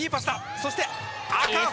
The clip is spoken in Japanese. そして赤穂！